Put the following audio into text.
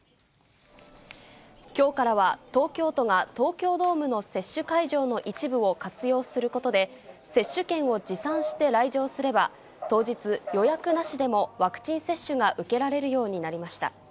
きょうからは東京都が東京ドームの接種会場の一部を活用することで、接種券を持参して来場すれば、当日、予約なしでもワクチン接種が受けられるようになりました。